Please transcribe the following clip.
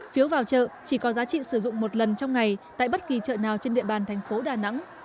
phiếu vào chợ chỉ có giá trị sử dụng một lần trong ngày tại bất kỳ chợ nào trên địa bàn thành phố đà nẵng